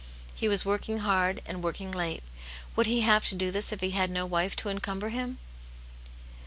He was working hard, and working late ; would he have to do this if he had no wife to encumber him?